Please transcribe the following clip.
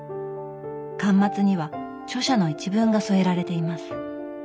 巻末には著者の一文が添えられています。